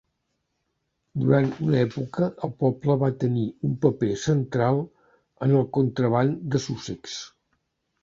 Durant una època el poble va tenir un paper central en el contraban de Sussex.